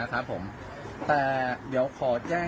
ความต้องใช้